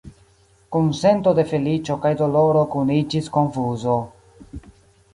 Kun sento de feliĉo kaj doloro kuniĝis konfuzo.